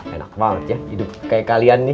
enak banget ya hidup kayak kalian nih